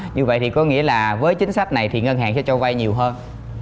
như vậy thì có nghĩa là với chính sách này thì ngân hàng sẽ cho vay nhiều hơn